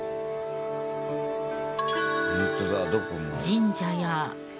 神社や。